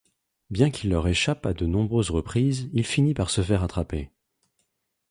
Bien qu'il leur échappe à de nombreuses reprises, il finit par se faire attraper.